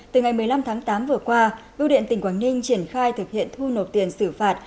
từ ngày một mươi năm tháng tám vừa qua bưu điện tỉnh quảng ninh triển khai thực hiện thu nộp tiền xử phạt